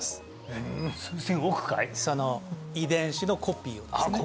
その遺伝子のコピーをですね